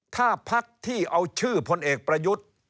ถ้าพักที่เอาชื่อพลเอกประยุทธ์